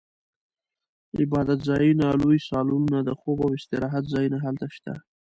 عبادتځایونه، لوی سالونونه، د خوب او استراحت ځایونه هلته شته.